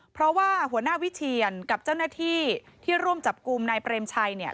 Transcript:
เพราะว่าหัวหน้าวิเชียนกับเจ้าหน้าที่ที่ร่วมจับกลุ่มนายเปรมชัยเนี่ย